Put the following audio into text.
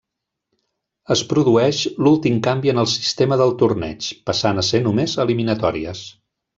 Es produeix l'últim canvi en el sistema del torneig, passant a ser només eliminatòries.